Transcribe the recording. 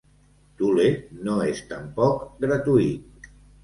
Thule no és tampoc gratuït.